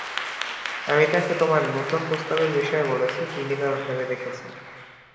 আমি তাঁকে তোমার নূতন প্রস্তাবের বিষয় বলেছি, তিনি তা ভেবে দেখেছেন।